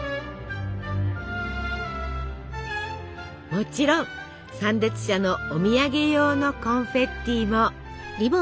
もちろん参列者のお土産用のコンフェッティも。